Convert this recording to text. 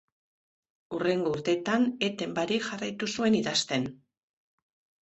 Hurrengo urteetan eten barik jarraitu zuen idazten.